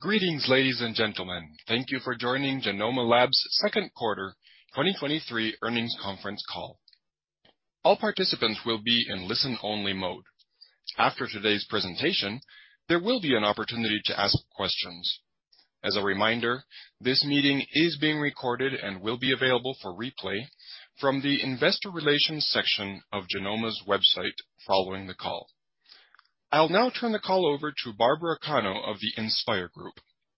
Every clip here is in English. Greetings, ladies and gentlemen. Thank you for joining Genomma Lab's Q2 2023 Earnings Conference Call. All participants will be in listen-only mode. After today's presentation, there will be an opportunity to ask questions. As a reminder, this meeting is being recorded and will be available for replay from the Investor Relations section of Genomma's website following the call. I'll now turn the call over to Barbara Cano of the InspIR Group.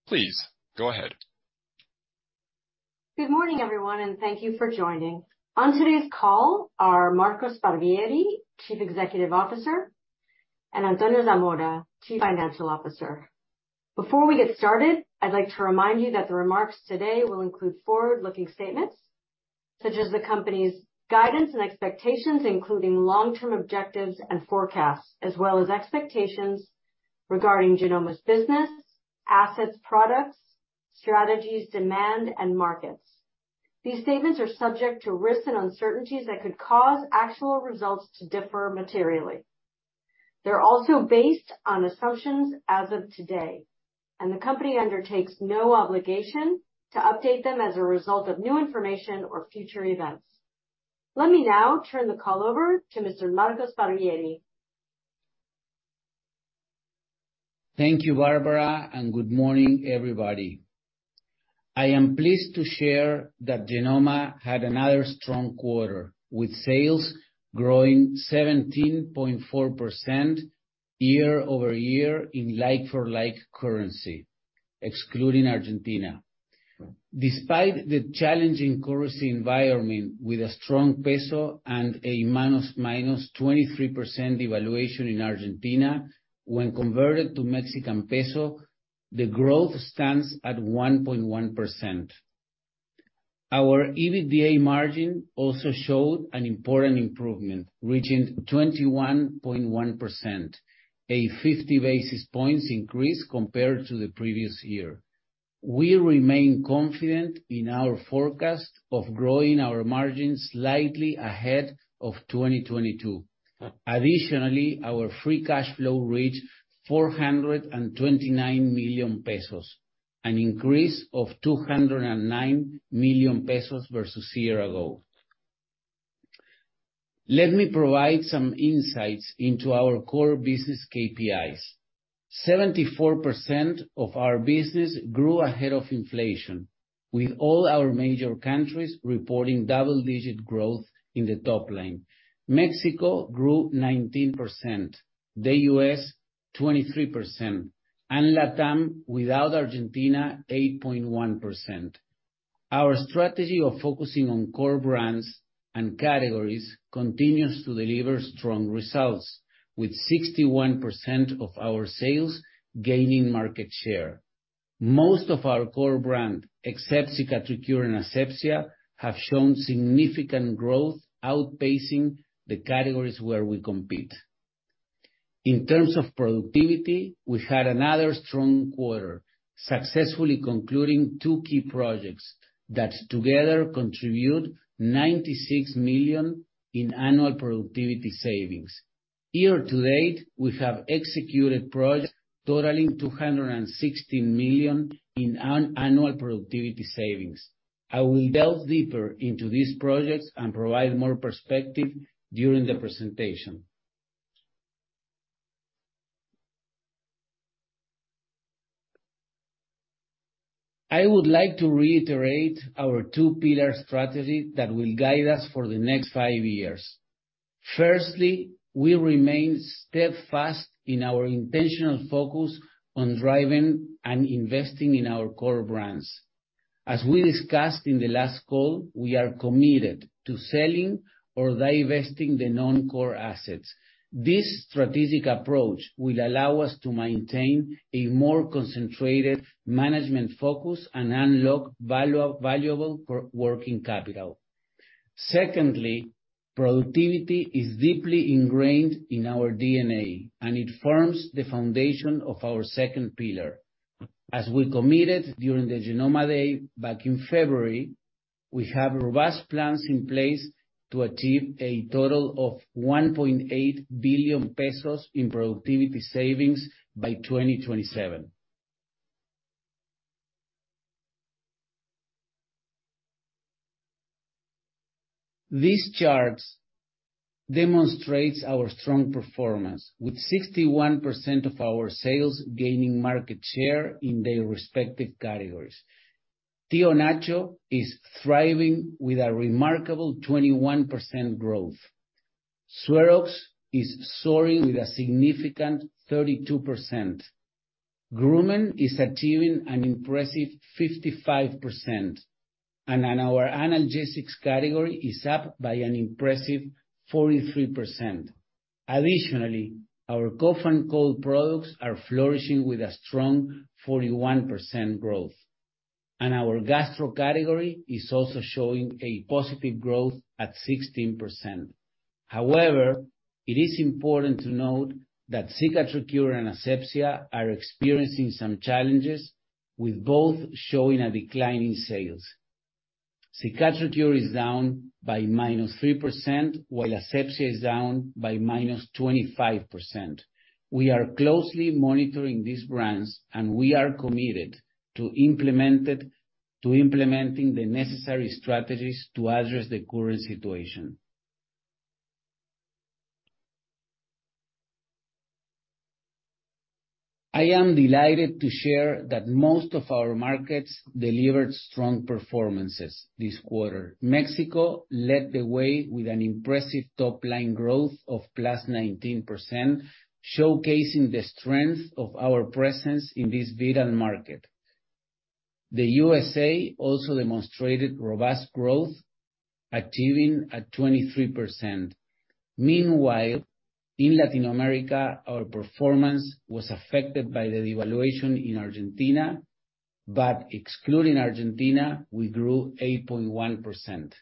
Please go ahead. Good morning, everyone. Thank you for joining. On today's call are Marco Sparvieri, Chief Executive Officer, and Antonio Zamora, Chief Financial Officer. Before we get started, I'd like to remind you that the remarks today will include forward-looking statements such as the company's guidance and expectations, including long-term objectives and forecasts, as well as expectations regarding Genomma's business, assets, products, strategies, demand, and markets. These statements are subject to risks and uncertainties that could cause actual results to differ materially. They're also based on assumptions as of today. The company undertakes no obligation to update them as a result of new information or future events. Let me now turn the call over to Mr. Marco Sparvieri. Thank you, Barbara. Good morning, everybody. I am pleased to share that Genomma had another strong quarter, with sales growing 17.4% year-over-year in like-for-like currency, excluding Argentina. Despite the challenging currency environment, with a strong peso and a -23% devaluation in Argentina when converted to Mexican peso, the growth stands at 1.1%. Our EBITDA margin also showed an important improvement, reaching 21.1%, a 50 basis points increase compared to the previous year. We remain confident in our forecast of growing our margins slightly ahead of 2022. Additionally, our free cash flow reached 429 million pesos, an increase of 209 million pesos versus a year ago. Let me provide some insights into our core business KPIs. 74% of our business grew ahead of inflation, with all our major countries reporting double-digit growth in the top-line. Mexico grew 19%, the U.S., 23%, and LATAM, without Argentina, 8.1%. Our strategy of focusing on core brands and categories continues to deliver strong results, with 61% of our sales gaining market share. Most of our core brand, except Cicatricure and Asepxia, have shown significant growth, outpacing the categories where we compete. In terms of productivity, we had another strong quarter, successfully concluding two key projects that together contribute $96 million in annual productivity savings. Year-to-date, we have executed projects totaling $260 million in annual productivity savings. I will delve deeper into these projects and provide more perspective during the presentation. I would like to reiterate our two-pillar strategy that will guide us for the next five years. Firstly, we remain steadfast in our intentional focus on driving and investing in our core brands. As we discussed in the last call, we are committed to selling or divesting the non-core assets. This strategic approach will allow us to maintain a more concentrated management focus and unlock valuable working capital. Secondly, productivity is deeply ingrained in our DNA, and it forms the foundation of our second pillar. As we committed during the Genomma Day back in February, we have robust plans in place to achieve a total of 1.8 billion pesos in productivity savings by 2027. These charts demonstrates our strong performance, with 61% of our sales gaining market share in their respective categories. Tío Nacho is thriving with a remarkable 21% growth. SueroX is soaring with a significant 32%. Groomen is achieving an impressive 55%. Our Analgesics category is up by an impressive 43%. Additionally, our cough and cold products are flourishing with a strong 41% growth. Our gastro category is also showing a positive growth at 16%. However, it is important to note that Cicatricure and Asepxia are experiencing some challenges, with both showing a decline in sales. Cicatricure is down by -3%, while Asepxia is down by -25%. We are closely monitoring these brands. We are committed to implementing the necessary strategies to address the current situation. I am delighted to share that most of our markets delivered strong performances this quarter. Mexico led the way with an impressive top-line growth of +19%, showcasing the strength of our presence in this vital market. The USA also demonstrated robust growth, achieving at 23%. Meanwhile, in Latin America, our performance was affected by the devaluation in Argentina. Excluding Argentina, we grew 8.1%.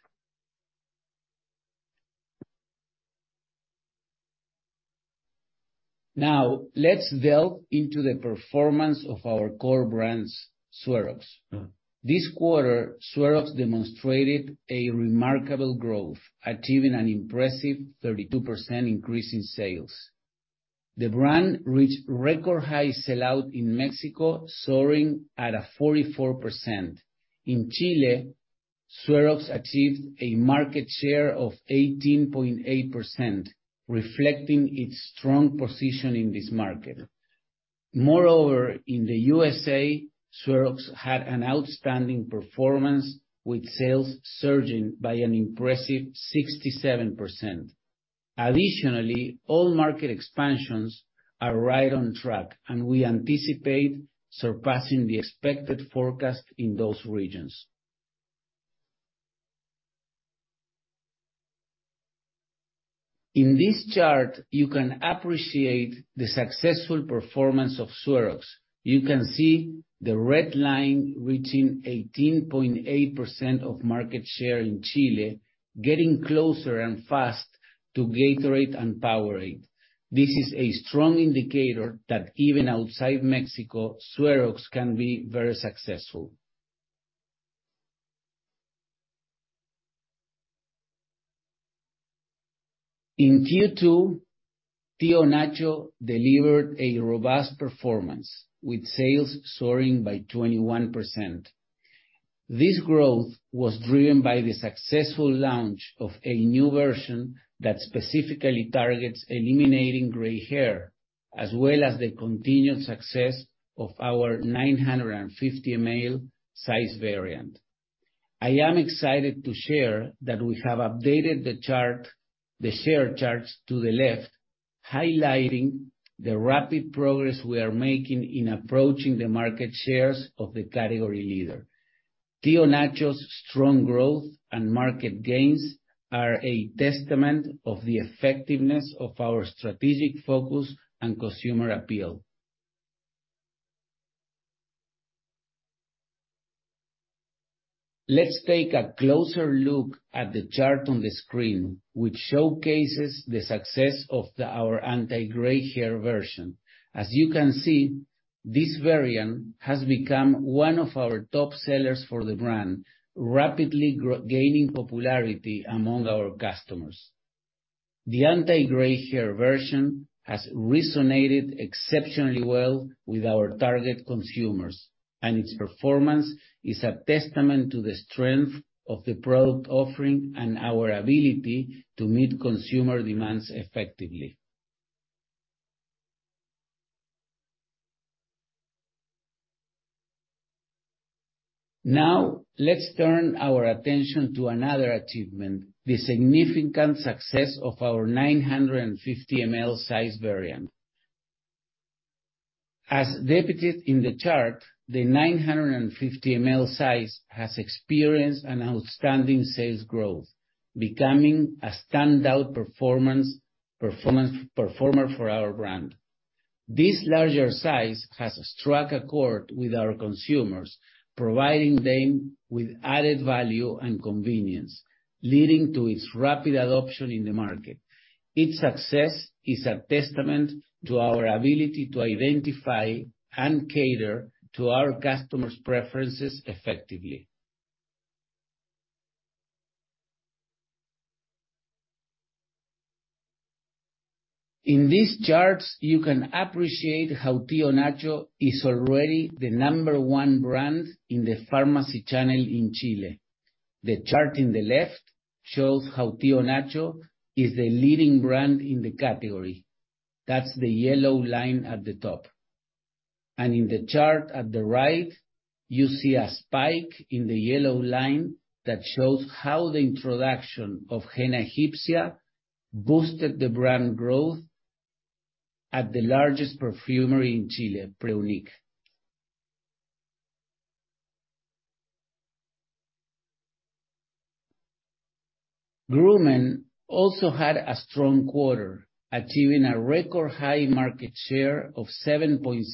Let's delve into the performance of our core brands, SueroX. This quarter, SueroX demonstrated a remarkable growth, achieving an impressive 32% increase in sales. The brand reached record high sell-out in Mexico, soaring at a 44%. In Chile, SueroX achieved a market share of 18.8%, reflecting its strong position in this market. In the USA, SueroX had an outstanding performance, with sales surging by an impressive 67%. All market expansions are right on track, and we anticipate surpassing the expected forecast in those regions. In this chart, you can appreciate the successful performance of SueroX. You can see the red line reaching 18.8% of market share in Chile, getting closer and fast to Gatorade and Powerade. This is a strong indicator that even outside Mexico, SueroX can be very successful. In Q2, Tío Nacho delivered a robust performance, with sales soaring by 21%. This growth was driven by the successful launch of a new version that specifically targets eliminating gray hair, as well as the continued success of our 950 ml size variant. I am excited to share that we have updated the chart, the share charts to the left, highlighting the rapid progress we are making in approaching the market shares of the category leader. Tío Nacho's strong growth and market gains are a testament of the effectiveness of our strategic focus and consumer appeal. Let's take a closer look at the chart on the screen, which showcases the success of our anti-gray hair version. As you can see, this variant has become one of our top sellers for the brand, rapidly gaining popularity among our customers. The anti-gray hair version has resonated exceptionally well with our target consumers, and its performance is a testament to the strength of the product offering and our ability to meet consumer demands effectively. Now, let's turn our attention to another achievement, the significant success of our 950 ml size variant. As depicted in the chart, the 950 ml size has experienced an outstanding sales growth, becoming a standout performance performer for our brand. This larger size has struck a chord with our consumers, providing them with added value and convenience, leading to its rapid adoption in the market. Its success is a testament to our ability to identify and cater to our customers' preferences effectively. In these charts, you can appreciate how Tío Nacho is already the number one brand in the pharmacy channel in Chile. The chart in the left shows how Tío Nacho is the leading brand in the category. That's the yellow line at the top. In the chart at the right, you see a spike in the yellow line that shows how the introduction of Henna Egipcia boosted the brand growth at the largest perfumery in Chile, Preunic. Groomen also had a strong quarter, achieving a record high market share of 7.6%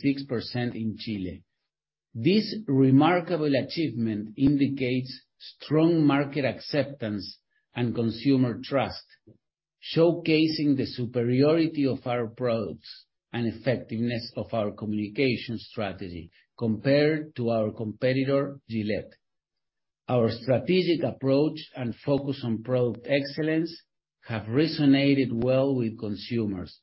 in Chile. This remarkable achievement indicates strong market acceptance and consumer trust, showcasing the superiority of our products and effectiveness of our communication strategy compared to our competitor, Gillette. Our strategic approach and focus on product excellence have resonated well with consumers,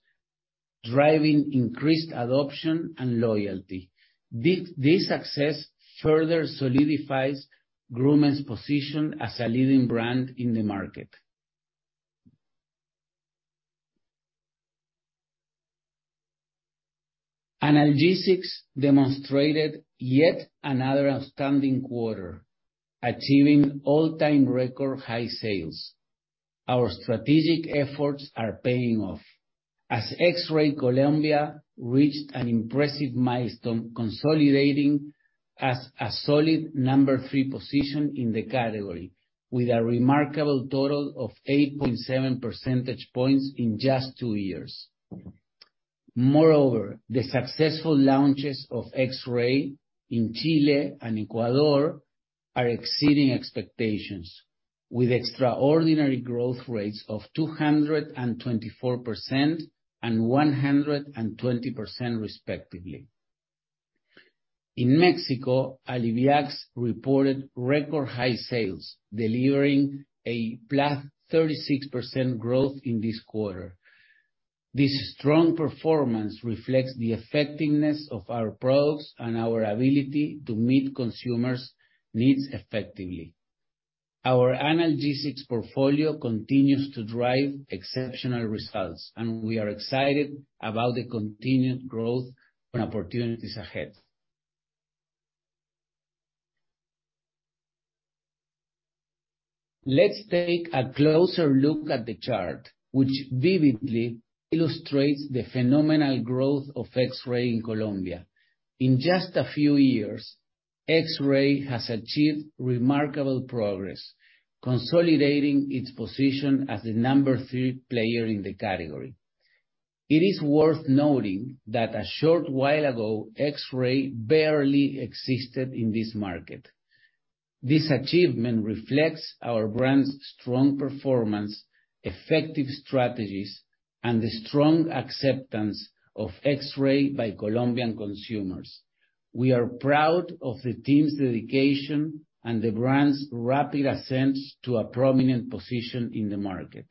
driving increased adoption and loyalty. This success further solidifies Groomen's position as a leading brand in the market. Analgesics demonstrated yet another outstanding quarter, achieving all-time record high sales. Our strategic efforts are paying off, as X-Ray Colombia reached an impressive milestone, consolidating as a solid number three position in the category, with a remarkable total of 8.7 percentage points in just two years. Moreover, the successful launches of X-Ray in Chile and Ecuador are exceeding expectations, with extraordinary growth rates of 224% and 120%, respectively. In Mexico, Alliviax reported record high sales, delivering a +36% growth in this quarter. This strong performance reflects the effectiveness of our products and our ability to meet consumers' needs effectively. Our analgesics portfolio continues to drive exceptional results, and we are excited about the continued growth and opportunities ahead. Let's take a closer look at the chart, which vividly illustrates the phenomenal growth of X-Ray in Colombia. In just a few years, X-Ray has achieved remarkable progress, consolidating its position as the number three player in the category. It is worth noting that a short while ago, X-Ray barely existed in this market. This achievement reflects our brand's strong performance, effective strategies, and the strong acceptance of X-Ray by Colombian consumers. We are proud of the team's dedication and the brand's rapid ascent to a prominent position in the market.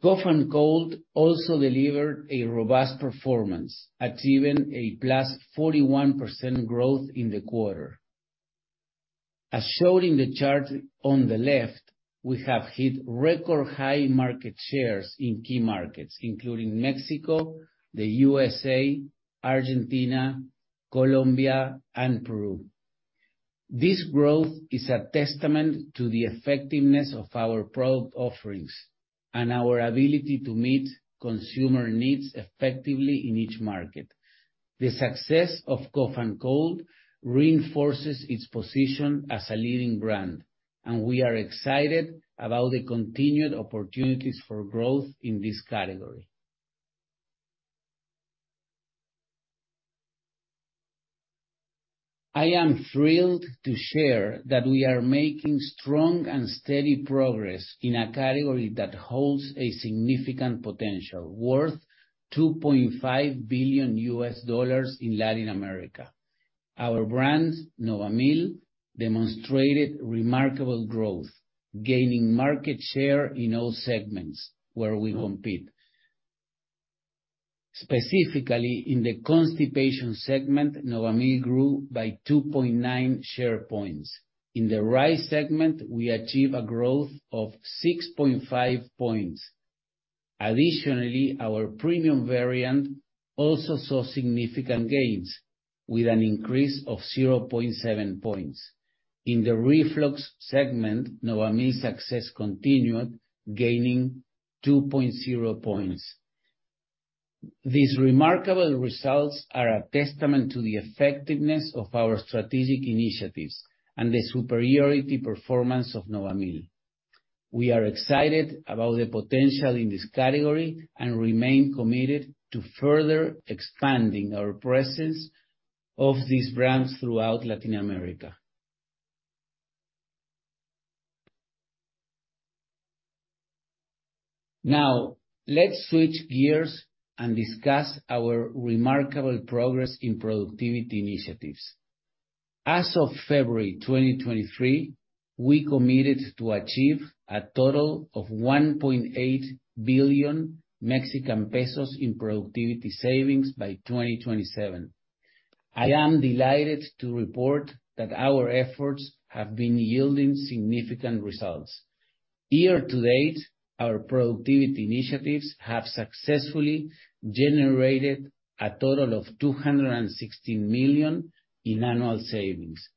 Cough & Cold also delivered a robust performance, achieving a +41% growth in the quarter. As shown in the chart on the left, we have hit record high market shares in key markets, including Mexico, the USA, Argentina, Colombia, and Peru. This growth is a testament to the effectiveness of our product offerings and our ability to meet consumer needs effectively in each market. The success of Cough & Cold reinforces its position as a leading brand, and we are excited about the continued opportunities for growth in this category. I am thrilled to share that we are making strong and steady progress in a category that holds a significant potential, worth $2.5 billion in Latin America. Our brands, Novamil, demonstrated remarkable growth, gaining market share in all segments where we compete. Specifically, in the constipation segment, Novamil grew by 2.9 share points. In the rice segment, we achieved a growth of 6.5 points. Additionally, our premium variant also saw significant gains, with an increase of 0.7 points. In the reflux segment, Novamil's success continued, gaining 2.0 points. These remarkable results are a testament to the effectiveness of our strategic initiatives and the superiority performance of Novamil. We are excited about the potential in this category and remain committed to further expanding our presence of these brands throughout Latin America. Let's switch gears and discuss our remarkable progress in productivity initiatives. As of February 2023, we committed to achieve a total of 1.8 billion Mexican pesos in productivity savings by 2027. I am delighted to report that our efforts have been yielding significant results. Year-to-date, our productivity initiatives have successfully generated a total of 216 million in annual savings.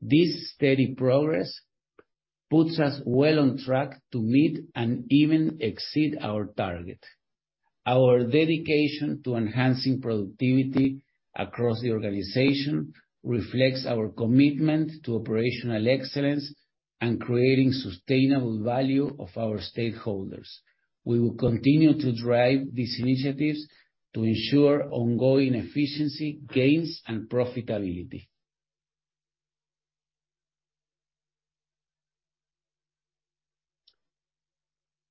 This steady progress puts us well on track to meet and even exceed our target. Our dedication to enhancing productivity across the organization reflects our commitment to operational excellence and creating sustainable value of our stakeholders. We will continue to drive these initiatives to ensure ongoing efficiency, gains, and profitability.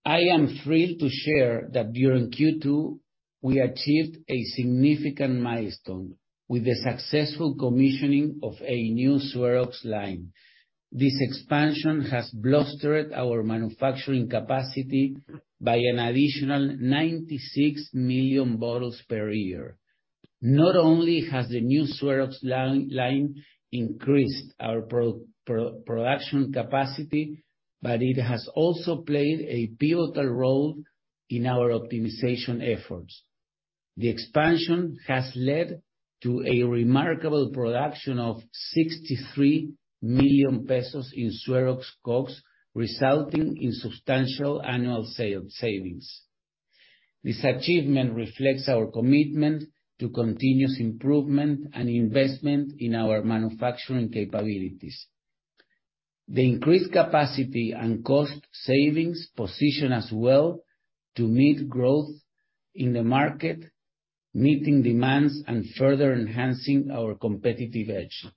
I am thrilled to share that during Q2, we achieved a significant milestone with the successful commissioning of a new SueroX line. This expansion has bolstered our manufacturing capacity by an additional 96 million bottles per year. Not only has the new SueroX line increased our production capacity, but it has also played a pivotal role in our optimization efforts. The expansion has led to a remarkable production of 63 million pesos in SueroX COGS, resulting in substantial annual sale savings. This achievement reflects our commitment to continuous improvement and investment in our manufacturing capabilities. The increased capacity and cost savings position us well to meet growth in the market, meeting demands, and further enhancing our competitive edge.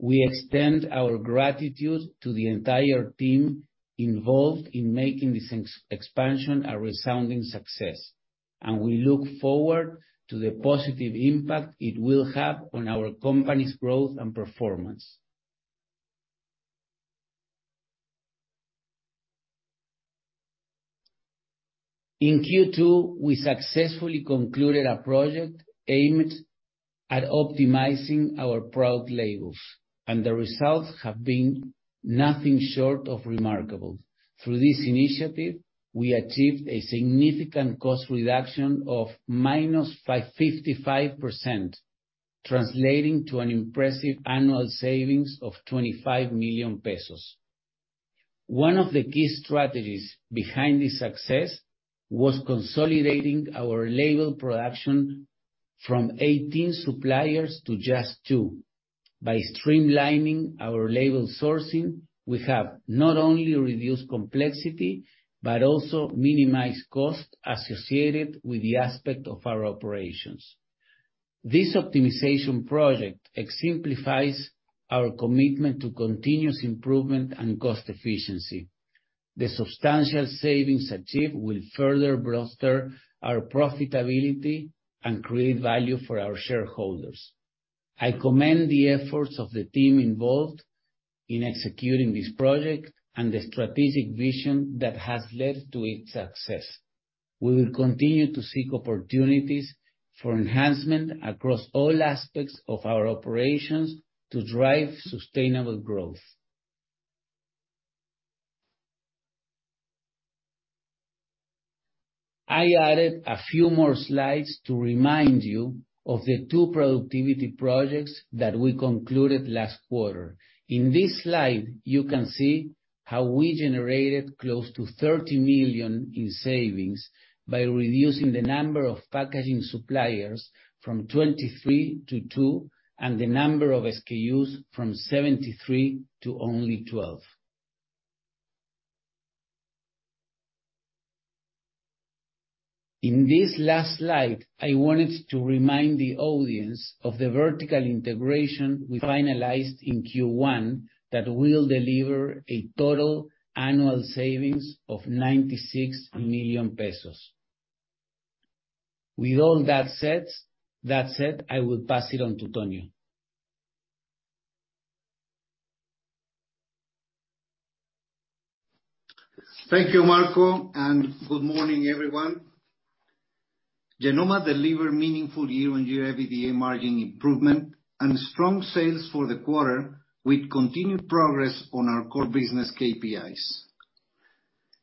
We extend our gratitude to the entire team involved in making this expansion a resounding success. We look forward to the positive impact it will have on our company's growth and performance. In Q2, we successfully concluded a project aimed at optimizing our product labels. The results have been nothing short of remarkable. Through this initiative, we achieved a significant cost reduction of -55%, translating to an impressive annual savings of 25 million pesos. One of the key strategies behind this success was consolidating our label production from 18 suppliers to just two. By streamlining our label sourcing, we have not only reduced complexity, but also minimized costs associated with the aspect of our operations. This optimization project exemplifies our commitment to continuous improvement and cost efficiency. The substantial savings achieved will further bolster our profitability and create value for our shareholders. I commend the efforts of the team involved in executing this project and the strategic vision that has led to its success. We will continue to seek opportunities for enhancement across all aspects of our operations to drive sustainable growth. I added a few more slides to remind you of the two productivity projects that we concluded last quarter. In this slide, you can see how we generated close to 30 million in savings by reducing the number of packaging suppliers from 23 to two, and the number of SKUs from 73 to only 12. In this last slide, I wanted to remind the audience of the vertical integration we finalized in Q1, that will deliver a total annual savings of 96 million pesos. With all that said, I will pass it on to Tonio. Thank you, Marco, and good morning, everyone. Genomma delivered meaningful year-on-year EBITDA margin improvement and strong sales for the quarter, with continued progress on our core business KPIs.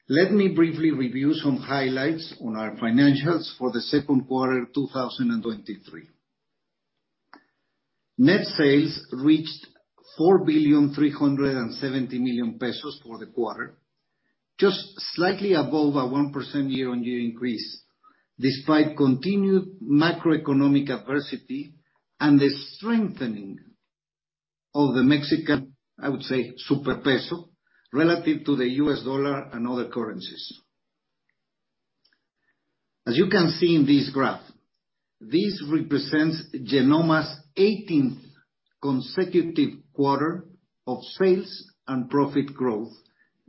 Let me briefly review some highlights on our financials for the 2Q 2023. Net sales reached 4.37 billion for the quarter, just slightly above a 1% year-on-year increase, despite continued macroeconomic adversity and the strengthening of the Mexican, I would say, super peso, relative to the US dollar and other currencies. As you can see in this graph, this represents Genomma's 18th consecutive quarter of sales and profit growth,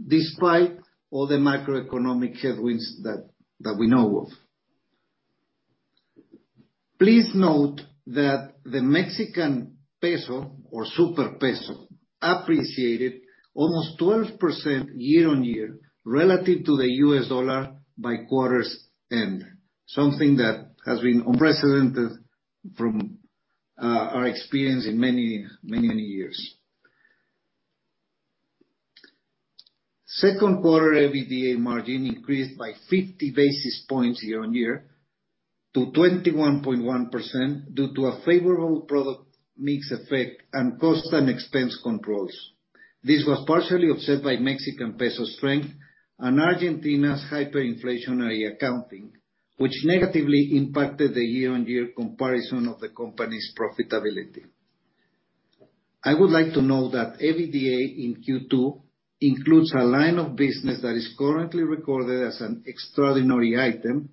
despite all the macroeconomic headwinds that we know of. Please note that the Mexican peso or super peso appreciated almost 12% year-on-year relative to the U.S. dollar by quarter's end, something that has been unprecedented from our experience in many, many years. Q2 EBITDA margin increased by 50 basis points year-on-year to 21.1%, due to a favorable product mix effect and cost and expense controls. This was partially offset by Mexican peso strength and Argentina's hyperinflationary accounting, which negatively impacted the year-on-year comparison of the company's profitability. I would like to note that EBITDA in Q2 includes a line of business that is currently recorded as an extraordinary item,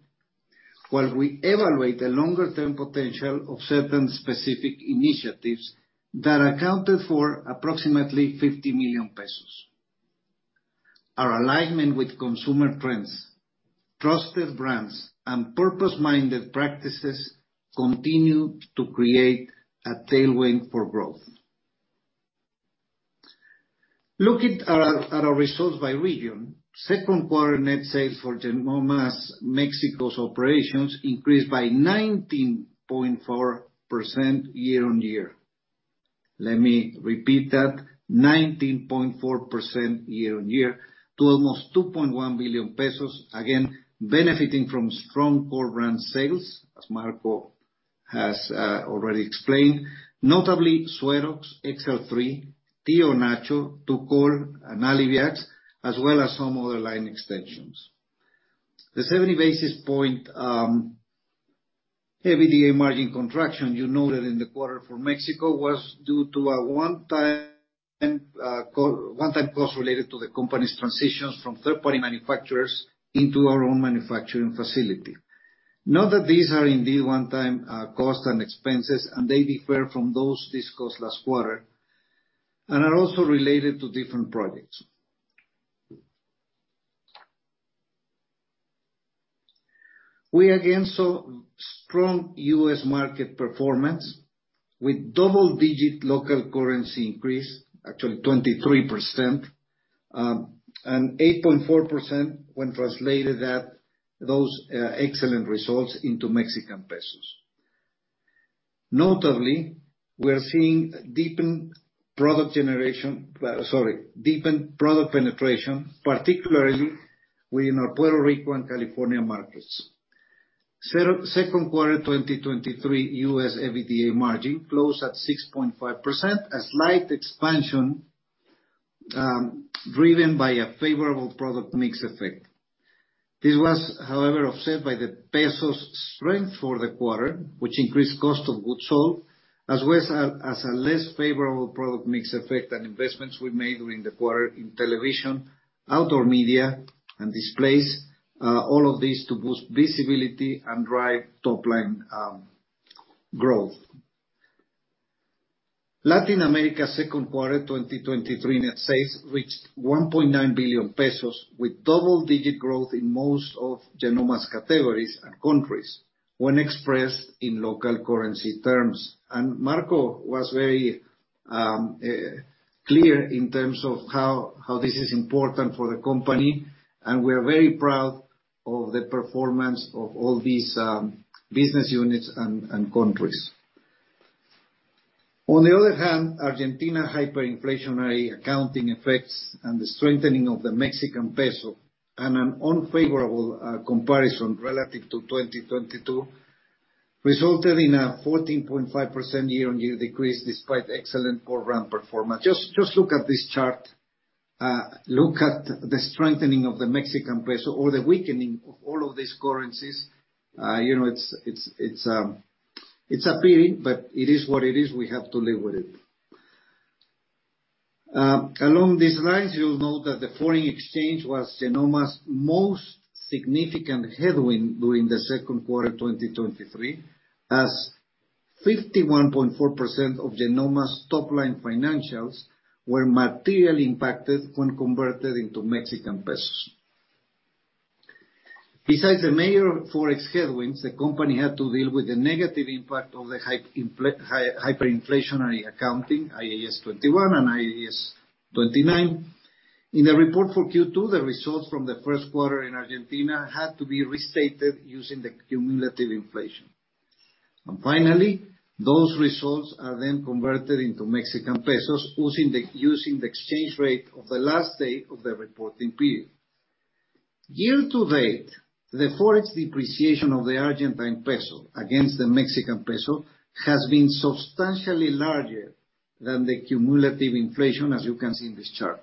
while we evaluate the longer term potential of certain specific initiatives that accounted for approximately 50 million pesos. Our alignment with consumer trends, trusted brands, and purpose-minded practices continue to create a tailwind for growth. Looking at our, at our results by region, Q2 net sales for Genomma's Mexico operations increased by 19.4% year-on-year. Let me repeat that, 19.4% year-on-year, to almost 2.1 billion pesos, again, benefiting from strong core brand sales, as Marco has already explained, notably SueroX, XL-3, Tío Nacho, Tukol, and Alliviax, as well as some other line extensions. The 70 basis point EBITDA margin contraction you noted in the quarter for Mexico was due to a one-time cost related to the company's transitions from third-party manufacturers into our own manufacturing facility. Note that these are indeed one-time costs and expenses, and they differ from those discussed last quarter, and are also related to different projects. We again saw strong U.S. market performance with double-digit local currency increase, actually 23%, and 8.4% when translated at those excellent results into Mexican pesos. Notably, we are seeing deepened product penetration, particularly within our Puerto Rico and California markets. Q2 2023 U.S. EBITDA margin closed at 6.5%, a slight expansion, driven by a favorable product mix effect. This was, however, offset by the peso's strength for the quarter, which increased cost of goods sold, as well as a less favorable product mix effect and investments we made during the quarter in television, outdoor media, and displays, all of these to boost visibility and drive top-line growth. Latin America Q2 2023 net sales reached 1.9 billion pesos, with double-digit growth in most of Genomma's categories and countries when expressed in local currency terms. Marco was very clear in terms of how, how this is important for the company, and we are very proud of the performance of all these business units and countries. On the other hand, Argentina hyperinflationary accounting effects, the strengthening of the Mexican peso, and an unfavorable comparison relative to 2022, resulted in a 14.5% year-on-year decrease, despite excellent core brand performance. Just look at this chart. Look at the strengthening of the Mexican peso or the weakening of all of these currencies. You know, it's, it's, it's appealing, but it is what it is. We have to live with it. Along these lines, you'll note that the foreign exchange was Genomma's most significant headwind during the Q2 of 2023, as 51.4% of Genomma's top-line financials were materially impacted when converted into Mexican pesos. Besides the major Forex headwinds, the company had to deal with the negative impact of the hyperinflationary accounting, IAS 21 and IAS 29. In the report for Q2, the results from the Q1 in Argentina had to be restated using the cumulative inflation. Finally, those results are then converted into Mexican pesos, using the exchange rate of the last day of the reporting period. Year-to-date, the Forex depreciation of the Argentine peso against the Mexican peso has been substantially larger than the cumulative inflation, as you can see in this chart.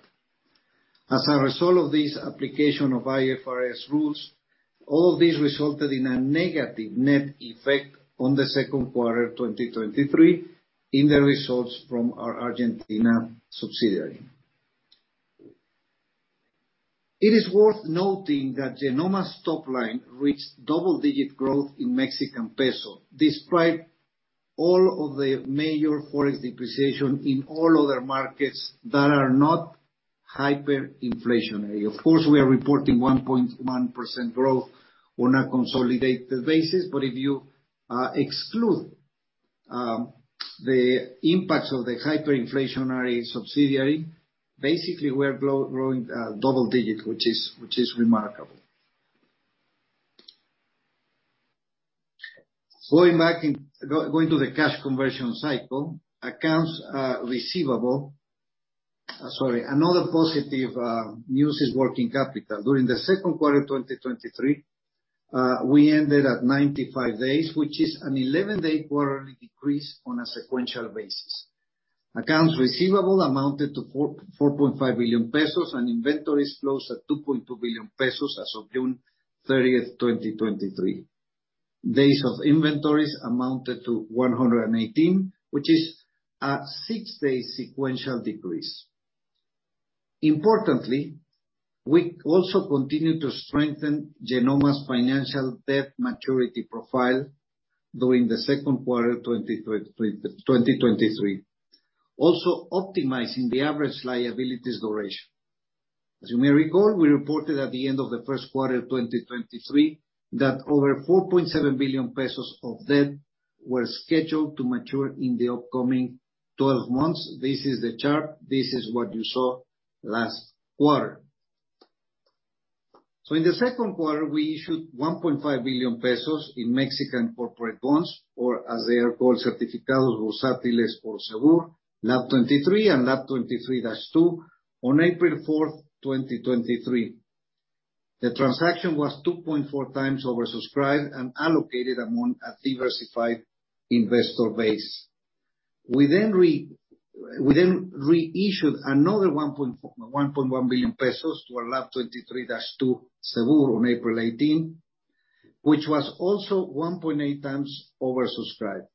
As a result of this application of IFRS rules, all this resulted in a negative net effect on the Q2 of 2023 in the results from our Argentina subsidiary. It is worth noting that Genomma's top-line reached double-digit growth in Mexican peso, despite all of the major foreign depreciation in all other markets that are not hyperinflationary. Of course, we are reporting 1.1% growth on a consolidated basis, but if you exclude the impacts of the hyperinflationary subsidiary, basically, we're growing double-digits, which is remarkable. Going to the cash conversion cycle, accounts receivable. Sorry, another positive news is working capital. During the Q2 of 2023, we ended at 95 days, which is an 11-day quarterly decrease on a sequential basis. Accounts receivable amounted to 4.5 billion pesos, and inventories closed at 2.2 billion pesos as of 30 June 2023. Days of inventories amounted to 118, which is a six-day sequential decrease. Importantly, we also continued to strengthen Genomma's financial debt maturity profile during the Q2 2023, also optimizing the average liabilities duration. As you may recall, we reported at the end of the Q1, 2023, that over 4.7 billion pesos of debt were scheduled to mature in the upcoming 12 months. This is the chart. This is what you saw last quarter. In the Q2, we issued 1.5 billion pesos in Mexican corporate bonds, or as they are called, Certificados Bursátiles por seguro, LAB23 and LAB23-2, on 4 April 2023. The transaction was 2.4x oversubscribed and allocated among a diversified investor base. We reissued another 1.1 billion pesos to our LAB23-2 seguro on April 18th, which was also 1.8x oversubscribed.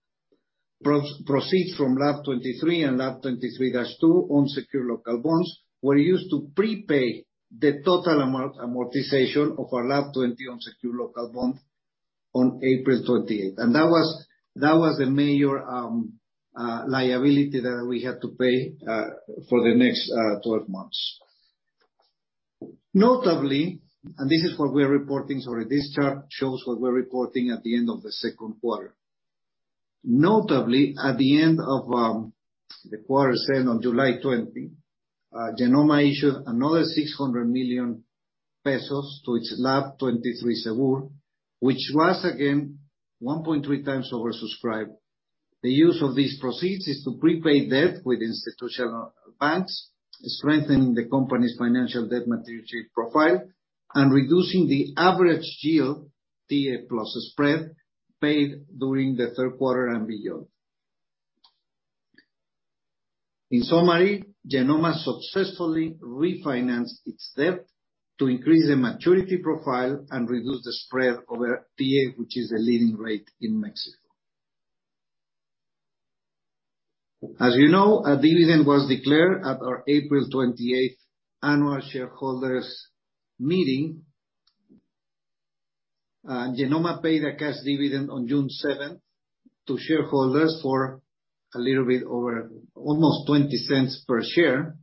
Proceeds from LAB23 and LAB23-2 unsecured local bonds were used to prepay the total amount amortization of our LAB20 unsecured local bond on 28 April 2023, and that was the major liability that we had to pay for the next 12 months. Notably, this is what we are reporting. Sorry, this chart shows what we're reporting at the end of the Q2. Notably, at the end of the quarter, say, on 20 July 2023, Genomma issued another MXN 600 million to its LAB23 seguro, which was again 1.3x oversubscribed. The use of these proceeds is to prepay debt with institutional banks, strengthening the company's financial debt maturity profile, and reducing the average yield, TIIE plus spread, paid during the Q3 and beyond. In summary, Genomma successfully refinanced its debt to increase the maturity profile and reduce the spread over TIIE, which is the leading rate in Mexico. As you know, a dividend was declared at our 28 April 2023 annual shareholders meeting. Genomma paid a cash dividend on 7 June 2023 to shareholders for a little bit over almost 0.20 per share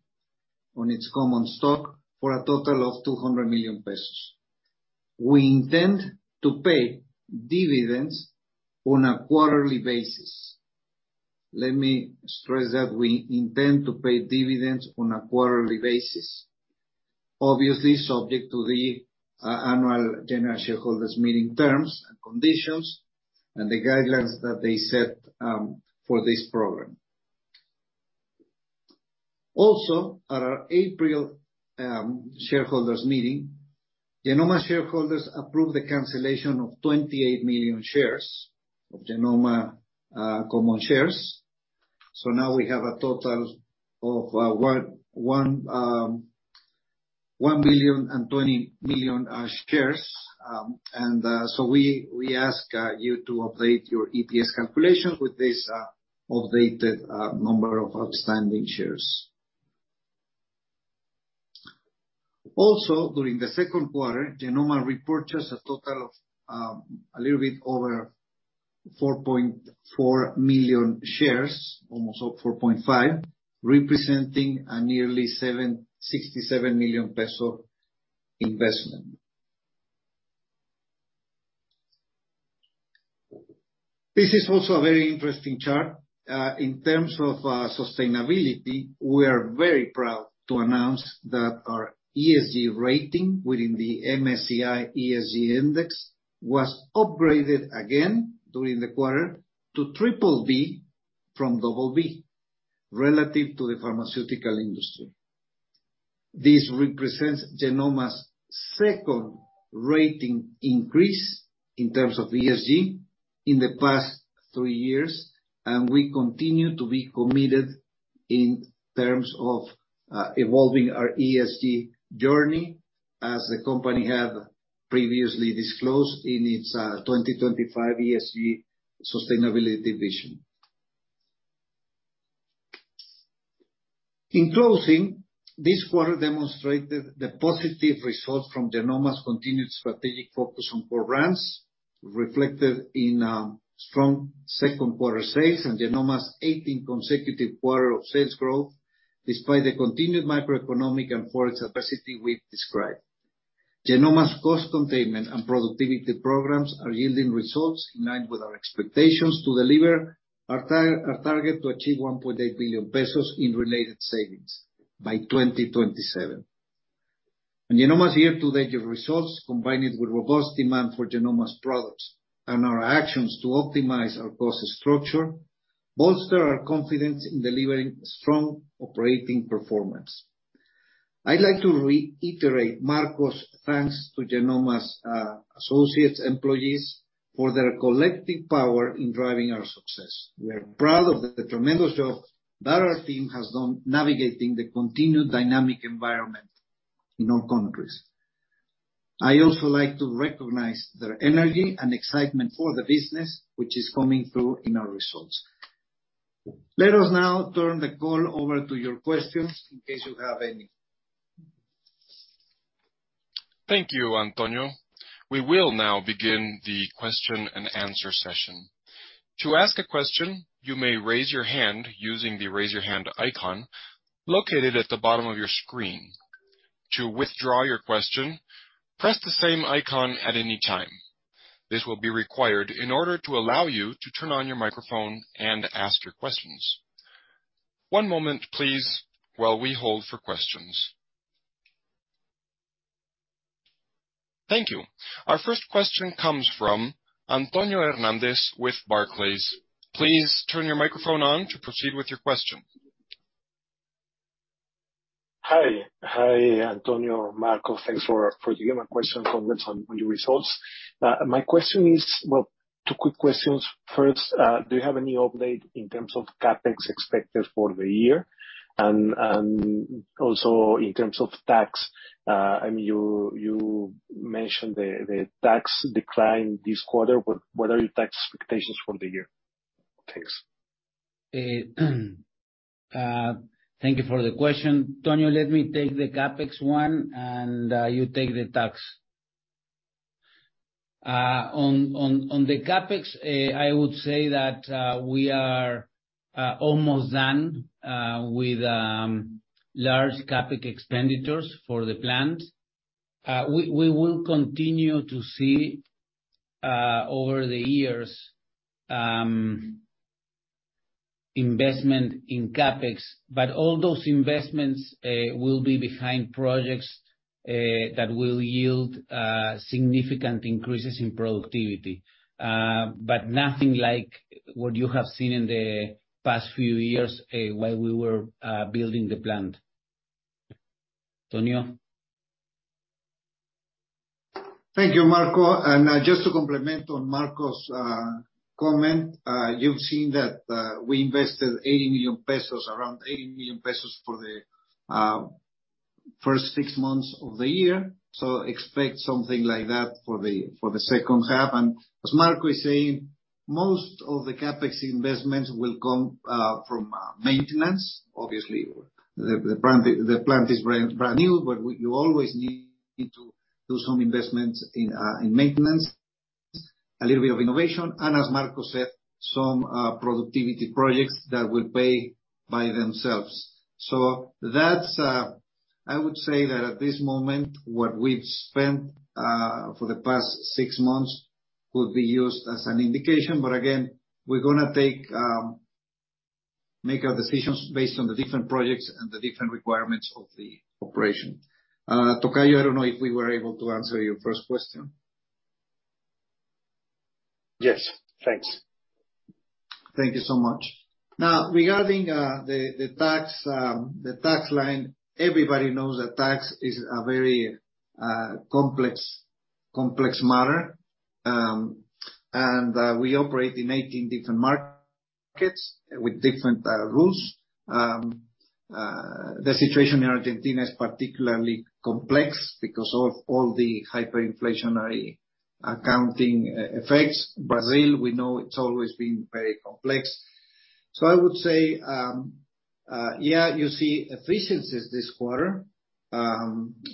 on its common stock, for a total of 200 million pesos. We intend to pay dividends on a quarterly basis. Let me stress that, we intend to pay dividends on a quarterly basis. Obviously, subject to the annual general shareholders meeting terms and conditions, and the guidelines that they set for this program. At our April shareholders meeting, Genomma shareholders approved the cancellation of 28 million shares of Genomma common shares. Now we have a total of 1.02 billion shares. We ask you to update your EPS calculations with this updated number of outstanding shares. During the Q2, Genomma repurchased a total of a little bit over 4.4 million shares, almost all 4.5 million, representing a nearly 67 million MXN investment. This is also a very interesting chart. In terms of sustainability, we are very proud to announce that our ESG rating within the MSCI ESG Index was upgraded again during the quarter to BBB from BB, relative to the pharmaceutical industry. This represents Genomma's second rating increase in terms of ESG in the past three years. We continue to be committed in terms of evolving our ESG journey, as the company had previously disclosed in its 2025 ESG sustainability vision. In closing, this quarter demonstrated the positive results from Genomma's continued strategic focus on core brands, reflected in strong Q2 sales, and Genomma's 18th consecutive quarter of sales growth, despite the continued macroeconomic and foreign capacity we've described. Genomma's cost containment and productivity programs are yielding results in line with our expectations to deliver our target to achieve 1.8 billion pesos in related savings by 2027. Genomma's year-to-date results, combined with robust demand for Genomma's products and our actions to optimize our cost structure, bolster our confidence in delivering strong operating performance. I'd like to reiterate Marco's thanks to Genomma's associates, employees, for their collective power in driving our success. We are proud of the tremendous job that our team has done navigating the continued dynamic environment in all countries. I also like to recognize their energy and excitement for the business, which is coming through in our results. Let us now turn the call over to your questions, in case you have any. Thank you, Antonio. We will now begin the question and answer session. To ask a question, you may raise your hand using the Raise Your Hand icon located at the bottom of your screen. To withdraw your question, press the same icon at any time. This will be required in order to allow you to turn on your microphone and ask your questions. One moment, please, while we hold for questions. Thank you. Our first question comes from Antonio Hernández with Barclays. Please turn your microphone on to proceed with your question. Hi. Hi, Antonio, Marco, thanks for, for giving my question comments on, on your results. Well, two quick questions. First, do you have any update in terms of CapEx expected for the year? Also in terms of tax, I mean, you mentioned the tax decline this quarter, what are your tax expectations for the year? Thanks. Thank you for the question. Tonio, let me take the CapEx one, and you take the tax. On the CapEx, I would say that we are almost done with large CapEx expenditures for the plant. We will continue to see over the years investment in CapEx. All those investments will be behind projects that will yield significant increases in productivity, but nothing like what you have seen in the past few years while we were building the plant. Tonio? Thank you, Marco. Just to complement on Marco's comment, you've seen that we 80 million pesos for the first six months of the year. Expect something like that for the second half. As Marco is saying, most of the CapEx investments will come from maintenance. Obviously, the plant, the plant is brand, brand new. You always need to do some investments in maintenance, a little bit of innovation, and as Marco said, some productivity projects that will pay by themselves. I would say that at this moment, what we've spent for the past six months will be used as an indication. Again, we're gonna make our decisions based on the different projects and the different requirements of the operation. Tocayo, I don't know if we were able to answer your first question. Yes, thanks. Thank you so much. Now, regarding the tax, the tax line, everybody knows that tax is a very complex matter. We operate in 18 different markets with different rules. The situation in Argentina is particularly complex because of all the hyperinflationary accounting effects. Brazil, we know it's always been very complex. I would say, you see efficiencies this quarter,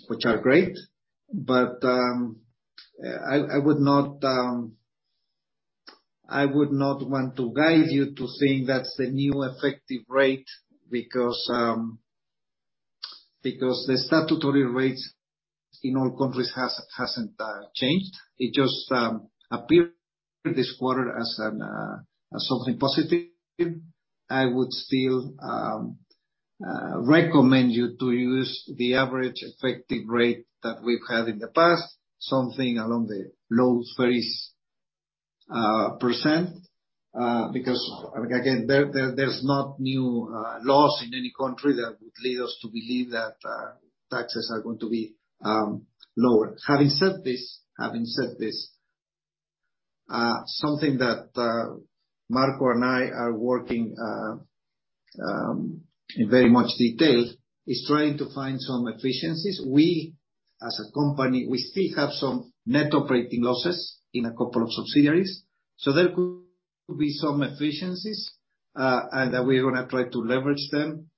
which are great, I would not want to guide you to think that's the new effective rate because the statutory rates in all countries hasn't changed. It just appeared this quarter as something positive. I would still recommend you to use the average effective rate that we've had in the past, something along the low 30%, because, again, there's not new laws in any country that would lead us to believe that taxes are going to be lower. Having said this, having said this, something that Marco and I are working in very much detail, is trying to find some efficiencies. We, as a company, we still have some net operating losses in a couple of subsidiaries, so there could be some efficiencies, and we're gonna try to leverage them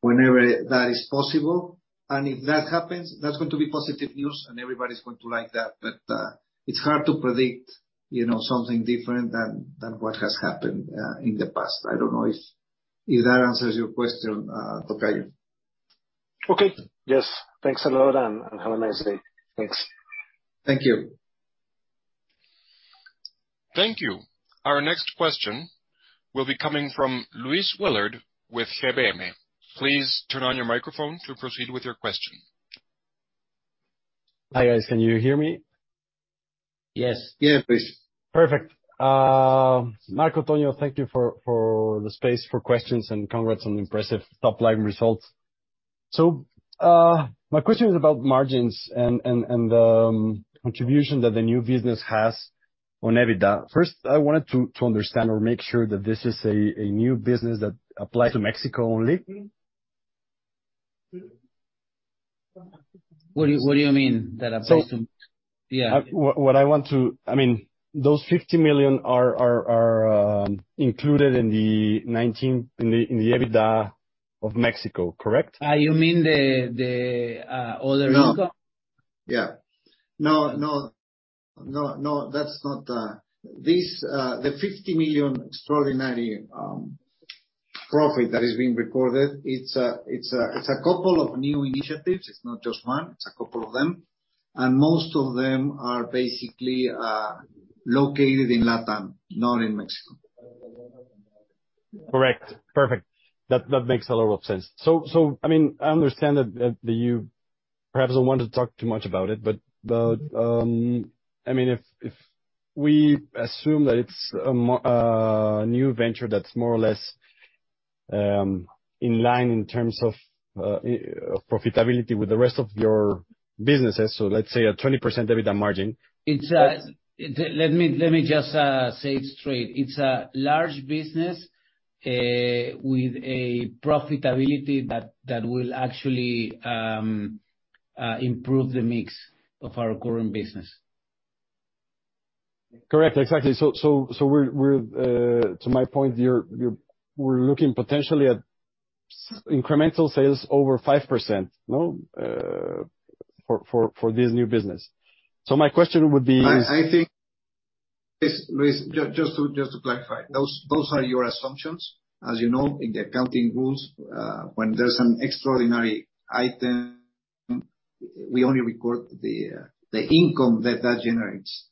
whenever that is possible. If that happens, that's going to be positive news, and everybody's going to like that. It's hard to predict, you know, something different than what has happened in the past. I don't know if that answers your question, Antonio. Okay. Yes. Thanks a lot, and have a nice day. Thanks. Thank you. Thank you. Our next question will be coming from Luis Willard with GBM. Please turn on your microphone to proceed with your question. Hi, guys. Can you hear me? Yes. Yeah, please. Perfect. Marco, Tonio, thank you for the space for questions, congrats on the impressive top-line results. My question is about margins and contribution that the new business has on EBITDA. First, I wanted to understand or make sure that this is a new business that applies to Mexico only? What do you mean that applies to? So Yeah. I mean, those $50 million are included in the EBITDA of Mexico, correct? You mean the other income? No. Yeah. No, no, no, no, that's not, this, the $50 million extraordinary profit that is being recorded, it's a couple of new initiatives. It's not just one, it's a couple of them. Most of them are basically located in Latin, not in Mexico. Correct. Perfect. That makes a lot of sense. I mean, I understand that you perhaps don't want to talk too much about it, but I mean, if we assume that it's a new venture that's more or less in line in terms of profitability with the rest of your businesses, so let's say a 20% EBITDA margin. Let me just say it straight. It's a large business with a profitability that will actually improve the mix of our current business. Correct. Exactly. So we're, to my point, you're, we're looking potentially at incremental sales over 5%, no? For this new business. My question would be I think. Yes, Luis, just to clarify, those are your assumptions. As you know, in the accounting rules, when there's an extraordinary item, we only record the income that that generates.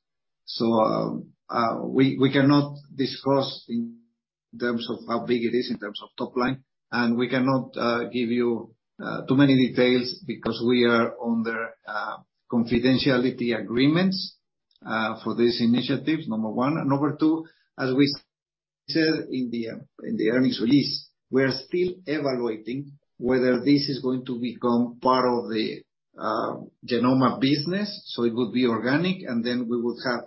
We cannot discuss in terms of how big it is, in terms of top-line, and we cannot give you too many details because we are under confidentiality agreements for these initiatives, number one. Number two, as we said in the earnings release, we are still evaluating whether this is going to become part of the Genomma business, so it would be organic, and then we would have,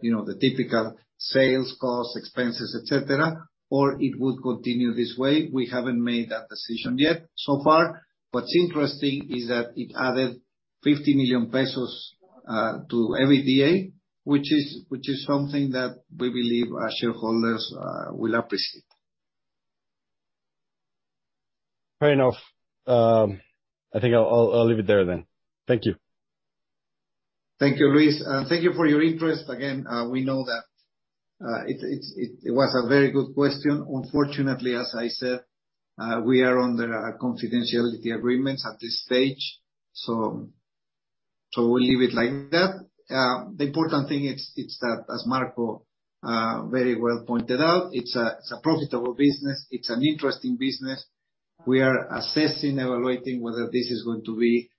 you know, the typical sales costs, expenses, et cetera, or it would continue this way. We haven't made that decision yet, so far. What's interesting is that it added 50 million pesos to EBITDA, which is something that we believe our shareholders will appreciate. Fair enough. I think I'll leave it there then. Thank you. Thank you, Luis, thank you for your interest. We know that it was a very good question. As I said, we are under confidentiality agreements at this stage, so we'll leave it like that. The important thing is that, as Marco very well pointed out, it's a profitable business. It's an interesting business. We are assessing, evaluating whether this is going to be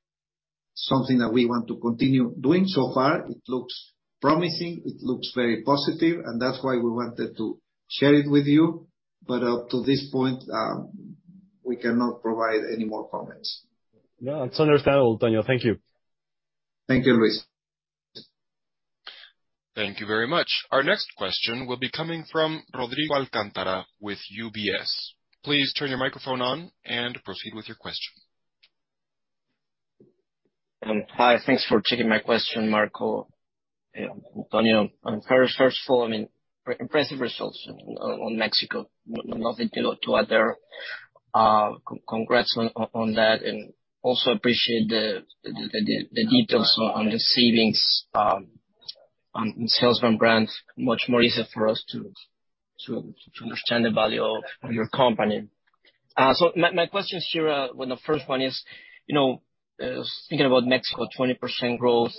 something that we want to continue doing. It looks promising, it looks very positive, and that's why we wanted to share it with you. Up to this point, we cannot provide any more comments. No, it's understandable, Antonio. Thank you. Thank you, Luis. Thank you very much. Our next question will be coming from Rodrigo Alcantara with UBS. Please turn your microphone on and proceed with your question. Hi, thanks for taking my question, Marco and Antonio, I'm very resourceful. I mean, impressive results on Mexico. Nothing to add there. Congrats on that, and also appreciate the details on the savings on sales and brands. Much more easier for us to understand the value of your company. My question is here, well, the first one is, you know, thinking about Mexico, 20% growth,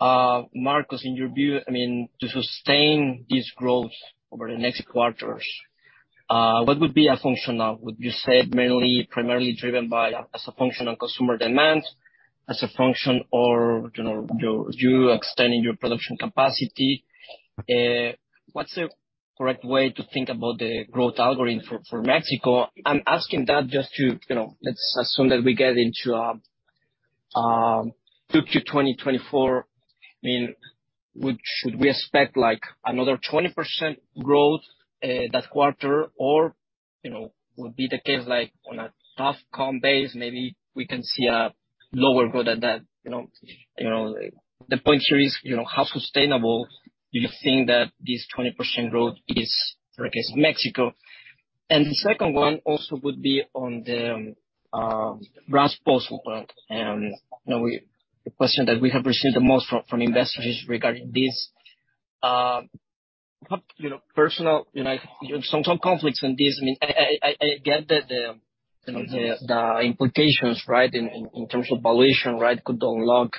Marco, in your view, I mean, to sustain this growth over the next quarters, what would be a function of? Would you say mainly, primarily driven by, as a function of customer demand, as a function or, you know, you extending your production capacity? What's the correct way to think about the growth algorithm for Mexico? I'm asking that just to, you know, let's assume that we get into 2Q 2024. I mean, should we expect like another 20% growth that quarter? You know, would be the case like on a soft com base, maybe we can see a lower growth than that, you know? You know, the point here is, you know, how sustainable do you think that this 20% growth is for the case of Mexico? The second one also would be on the brass postpone. You know, the question that we have received the most from investors regarding this, what, you know, personal, you know, some conflicts on this. I mean, I get that the, you know, the implications, right, in terms of valuation, right, could unlock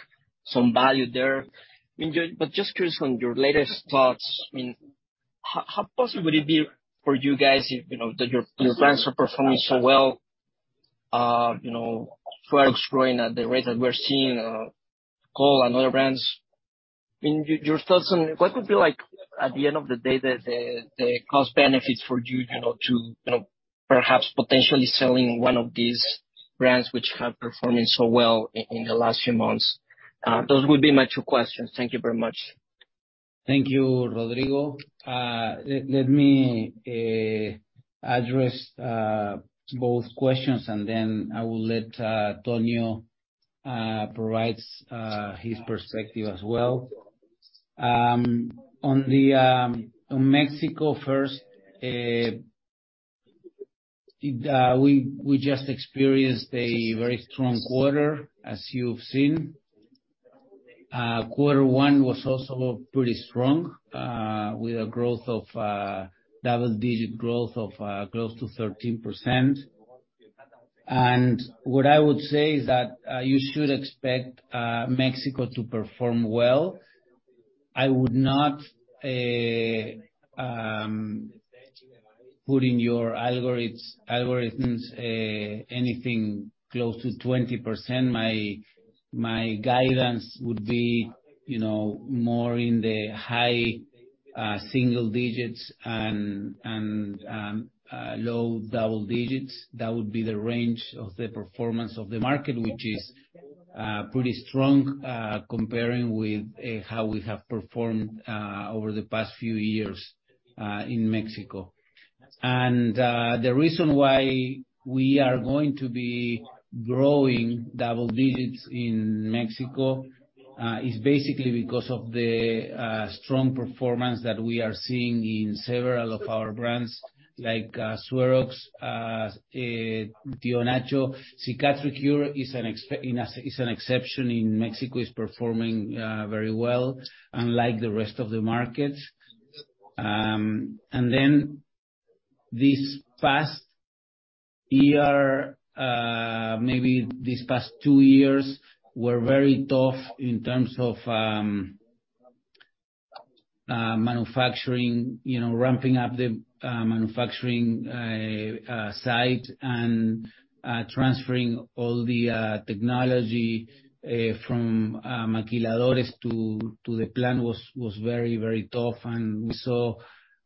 some value there. I mean, just curious on your latest thoughts, how possible would it be for you guys if, you know, that your, your brands are performing so well, you know, SueroX growing at the rate that we're seeing, Cole and other brands, your thoughts on what would be like, at the end of the day, the, the, the cost benefits for you, you know, to, you know, perhaps potentially selling one of these brands which have performing so well in the last few months? Those would be my two questions. Thank you very much. Thank you, Rodrigo. Let me address both questions, then I will let Tonio provide his perspective as well. On the on Mexico first, we just experienced a very strong quarter, as you've seen. Q1 was also pretty strong, with a growth of double-digit growth of close to 13%. What I would say is that you should expect Mexico to perform well. I would not put in your algorithms anything close to 20%. My guidance would be, you know, more in the high single-digits and low double-digits. That would be the range of the performance of the market, which is pretty strong comparing with how we have performed over the past few years in Mexico. The reason why we are going to be growing double-digits in Mexico is basically because of the strong performance that we are seeing in several of our brands, like SueroX, Tío Nacho. Cicatricure is an exception in Mexico, is performing very well, unlike the rest of the markets. This past year, maybe these past two years, were very tough in terms of manufacturing, you know, ramping up the manufacturing site and transferring all the technology from maquiladoras to the plant was very, very tough.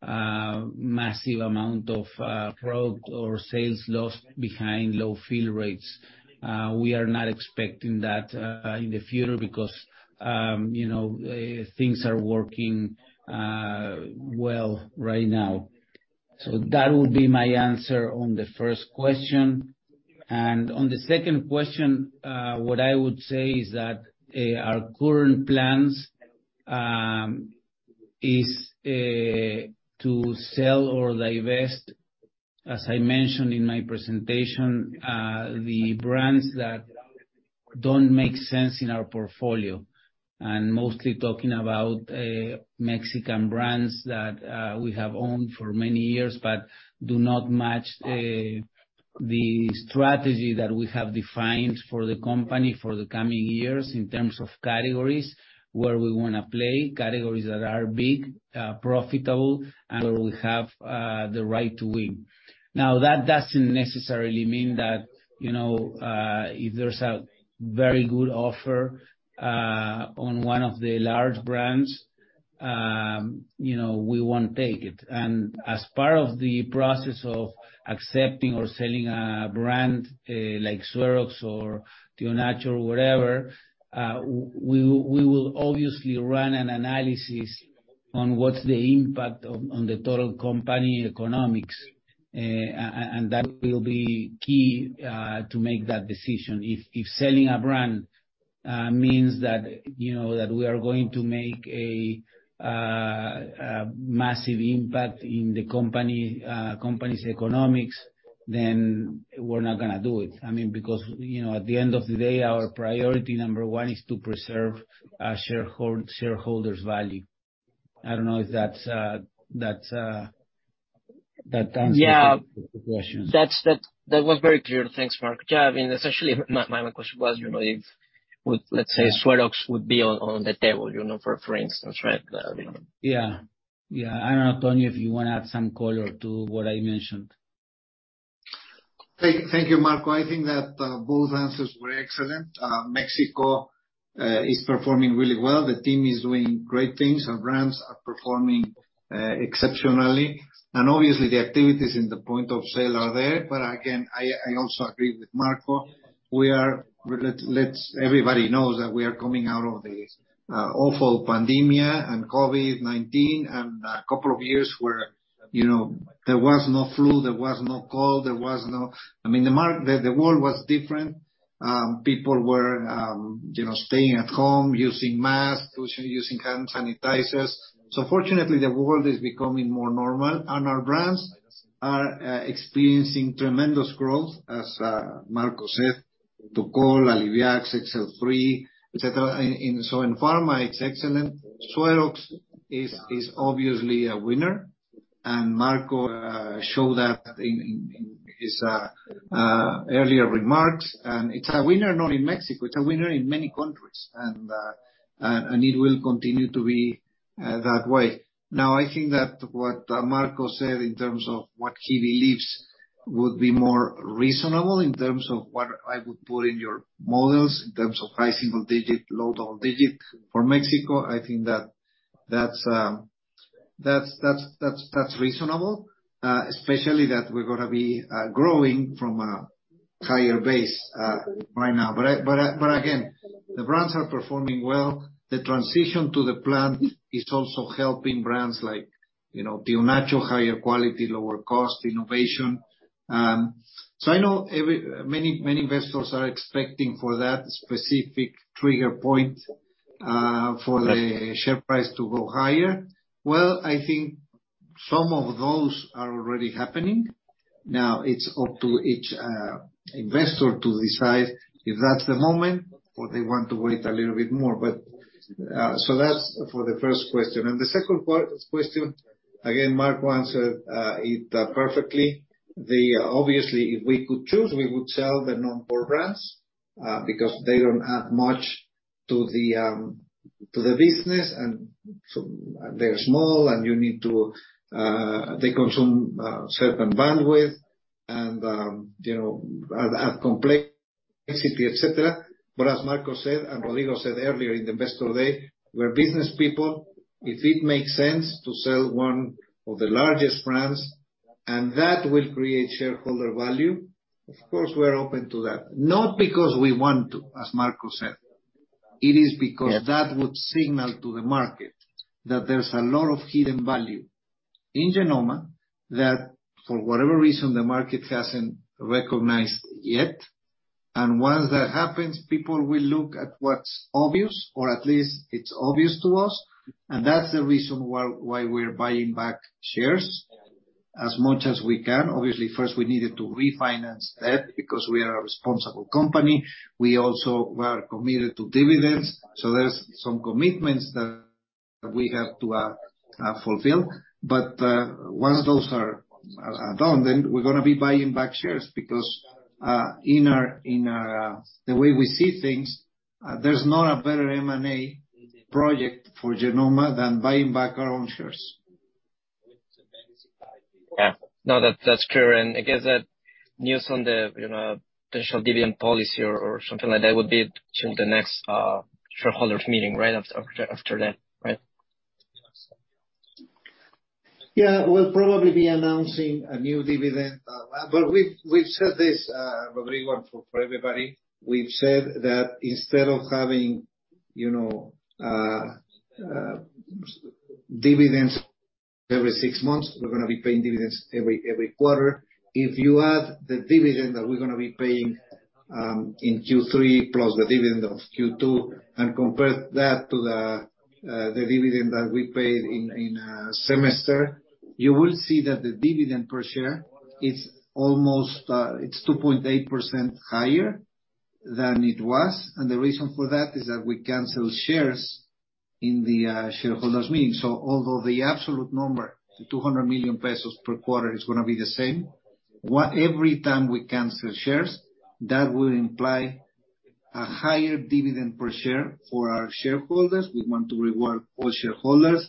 Massive amount of product or sales lost behind low fill rates. We are not expecting that in the future because, you know, things are working well right now. That would be my answer on the first question. On the second question, what I would say is that our current plans is to sell or divest, as I mentioned in my presentation, the brands that don't make sense in our portfolio, and mostly talking about Mexican brands that we have owned for many years, but do not match the strategy that we have defined for the company for the coming years in terms of categories where we want to play, categories that are big, profitable, and where we have the right to win. Now, that doesn't necessarily mean that, you know, if there's a very good offer on one of the large brands, you know, we won't take it. As part of the process of accepting or selling a brand, like SueroX or Tío Nacho, or whatever, we will obviously run an analysis on what's the impact on the total company economics, and that will be key to make that decision. If selling a brand means that, you know, that we are going to make a massive impact in the company's economics, then we're not gonna do it. I mean, because, you know, at the end of the day, our priority number one is to preserve shareholders' value. I don't know if that's that answers the question. That's, that was very clear. Thanks, Marco. I mean, essentially, my main question was, you know, if, let's say, SueroX would be on the table, you know, for instance, right? Yeah. Yeah. I don't know, Tonio, if you wanna add some color to what I mentioned. Thank you, Marco. I think that both answers were excellent. Mexico is performing really well. The team is doing great things. Our brands are performing exceptionally, and obviously, the activities in the point of sale are there. Again, I also agree with Marco. We are, everybody knows that we are coming out of this awful pandemia and COVID-19, and a couple of years where, you know, there was no flu, there was no cold, there was no. I mean, the world was different. People were, you know, staying at home, using masks, using hand sanitizers. Fortunately, the world is becoming more normal, and our brands are experiencing tremendous growth, as Marco said, Tukol, Alliviax, XL-3, et cetera, in. In pharma, it's excellent. SueroX is obviously a winner. Marco showed that in his earlier remarks. It's a winner, not in Mexico, it's a winner in many countries, and it will continue to be that way. I think that what Marco said in terms of what he believes would be more reasonable, in terms of what I would put in your models, in terms of high single-digit, low double-digit for Mexico, I think that that's reasonable. Especially that we're gonna be growing from a higher base right now. Again, the brands are performing well. The transition to the plant is also helping brands like, you know, Tío Nacho, higher quality, lower cost, innovation. I know many investors are expecting for that specific trigger point for the share price to go higher. Well, I think some of those are already happening. Now, it's up to each investor to decide if that's the moment, or they want to wait a little bit more. That's for the first question. The second part, question, again, Marco answered it perfectly. Obviously, if we could choose, we would sell the non-core brands, because they don't add much to the business. They're small, and you need to. They consume certain bandwidth and, you know, add complexity, et cetera. As Marco said, and Rodrigo said earlier in the Investor Day, we're business people. If it makes sense to sell one of the largest brands, and that will create shareholder value, of course, we're open to that. Not because we want to, as Marco said. It is because that would signal to the market, that there's a lot of hidden value in Genomma that, for whatever reason, the market hasn't recognized yet. Once that happens, people will look at what's obvious, or at least it's obvious to us, and that's the reason why we're buying back shares as much as we can. Obviously, first we needed to refinance debt, because we are a responsible company. We also were committed to dividends, so there's some commitments that we have to fulfill. Once those are done, then we're gonna be buying back shares. Because in our, the way we see things, there's not a better M&A project for Genomma than buying back our own shares. Yeah. No, that, that's true, and I guess that news on the, you know, potential dividend policy or, or something like that, would be during the next shareholders' meeting, right? After that, right? Yeah, we'll probably be announcing a new dividend. We've said this, Rodrigo, for everybody. We've said that instead of having, you know, dividends every six months, we're gonna be paying dividends every quarter. If you add the dividend that we're gonna be paying in Q3 plus the dividend of Q2, compare that to the dividend that we paid in semester, you will see that the dividend per share is almost 2.8% higher than it was. The reason for that is that we cancel shares in the shareholders' meeting. Although the absolute number, 200 million pesos per quarter, is gonna be the same, every time we cancel shares, that will imply a higher dividend per share for our shareholders. We want to reward all shareholders.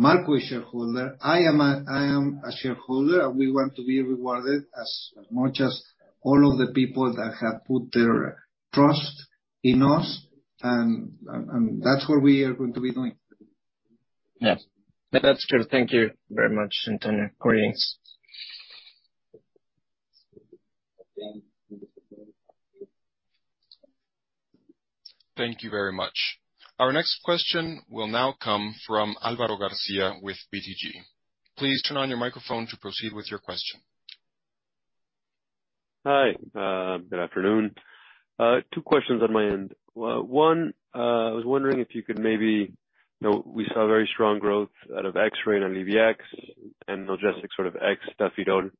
Marco is shareholder, I am a shareholder, we want to be rewarded as much as all of the people that have put their trust in us. That's what we are going to be doing. Yeah. Yeah, that's true. Thank you very much, Antonio. Greetings. Thank you very much. Our next question will now come from Alvaro Garcia with BTG. Please turn on your microphone to proceed with your question. Hi, good afternoon. Two questions on my end. One, I was wondering if you could. You know, we saw very strong growth out of X-Ray and Alliviax, and Analgesics sort of X stuff you don't.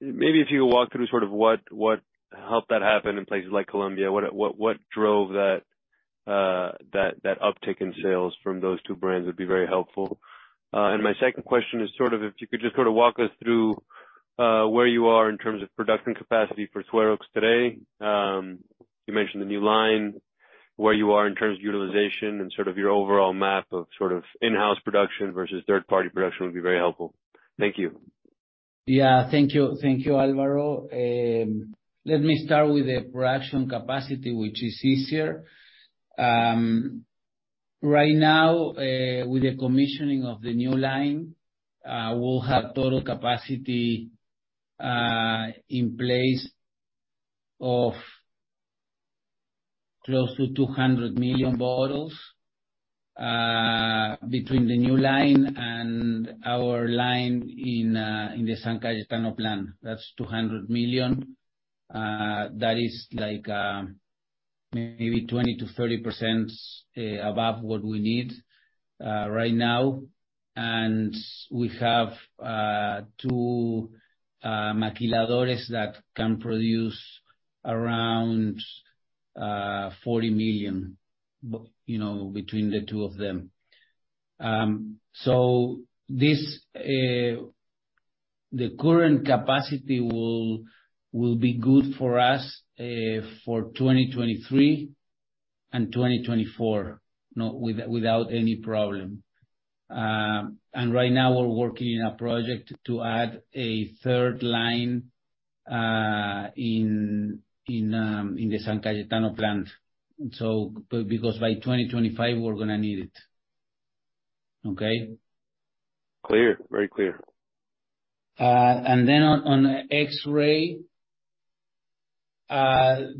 Maybe if you could walk through sort of what helped that happen in places like Colombia, what drove that uptick in sales from those two brands, would be very helpful. My second question is sort of if you could just sort of walk us through where you are in terms of production capacity for SueroX today. You mentioned the new line, where you are in terms of utilization and sort of your overall map of sort of in-house production versus third party production, would be very helpful. Thank you. Yeah, thank you. Thank you, Alvaro. Let me start with the production capacity, which is easier. Right now, with the commissioning of the new line, we'll have total capacity in place of close to 200 million bottles between the new line and our line in the San Cayetano plant. That's 200 million, that is like, maybe 20%-30% above what we need right now maquiladoras that can produce around 40 million, you know, between the two of them. This the current capacity will be good for us for 2023 and 2024, without any problem. Right now, we're working in a project to add a third line in the San Cayetano plant. Because by 2025, we're gonna need it. Okay? Clear. Very clear. On X-Ray, first of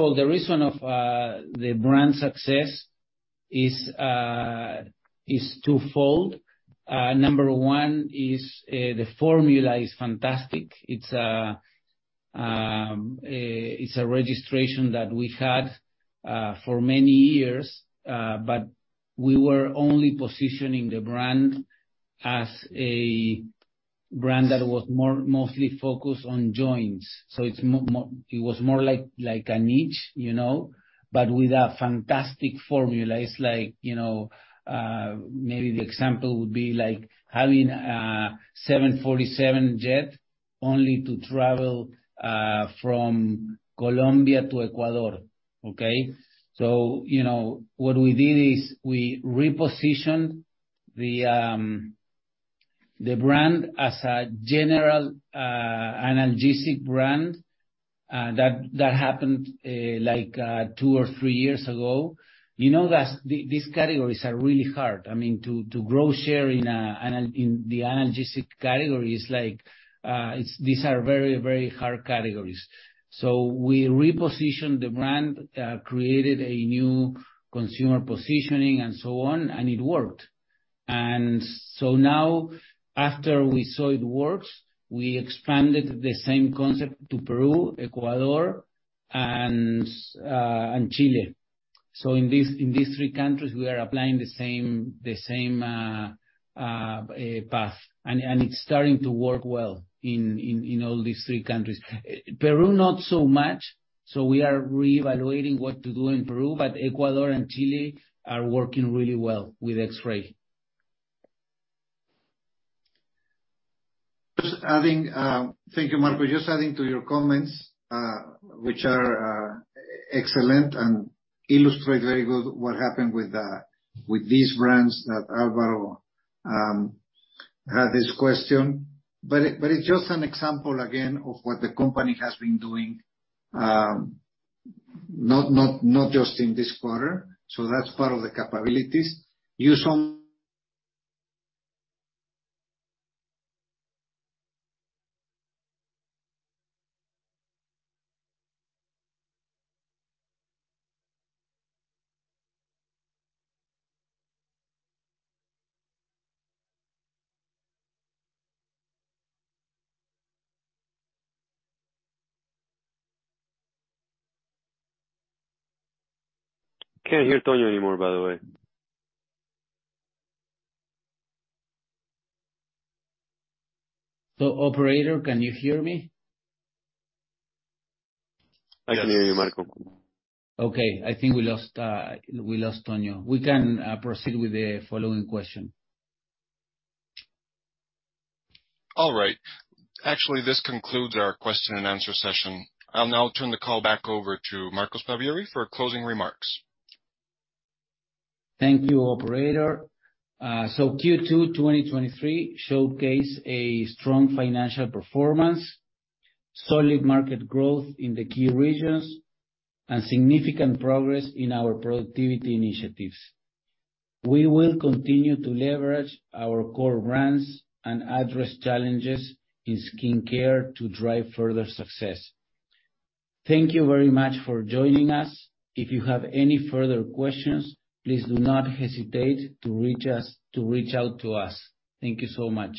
all, the reason of the brand success is twofold. Number one is, the formula is fantastic. It's a registration that we had for many years, but we were only positioning the brand as a brand that was mostly focused on joints. It was more like a niche, you know, but with a fantastic formula. It's like, you know, maybe the example would be like having a 747 jet only to travel from Colombia to Ecuador, okay? You know, what we did is, we repositioned the brand as a general analgesic brand that happened like two or three years ago. You know that these categories are really hard. I mean, to grow share in the Analgesics category is like, these are very hard categories. We repositioned the brand, created a new consumer positioning, and so on. It worked. Now, after we saw it works, we expanded the same concept to Peru, Ecuador, and Chile. In these three countries, we are applying the same path. It's starting to work well in all these three countries. Peru, not so much. We are reevaluating what to do in Peru. Ecuador and Chile are working really well with X-Ray. Just adding. Thank you, Marco. Just adding to your comments, which are excellent and illustrate very good what happened with these brands that Alvaro had this question. It's just an example, again, of what the company has been doing, not just in this quarter. That's part of the capabilities. Can't hear Tonio anymore, by the way. Operator, can you hear me? I can hear you, Marco. Okay. I think we lost Tonio. We can proceed with the following question. All right. Actually, this concludes our question and answer session. I'll now turn the call back over to Marco Sparvieri for closing remarks. Thank you, operator. Q2 2023 showcased a strong financial performance, solid market growth in the key regions, and significant progress in our productivity initiatives. We will continue to leverage our core brands and address challenges in skincare to drive further success. Thank you very much for joining us. If you have any further questions, please do not hesitate to reach out to us. Thank you so much.